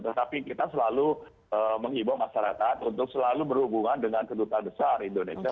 tetapi kita selalu menghibur masyarakat untuk selalu berhubungan dengan kedutaan besar indonesia